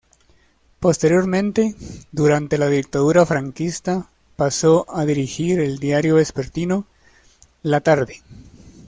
Posteriormente, durante la Dictadura franquista pasó a dirigir el diario vespertino "La Tarde".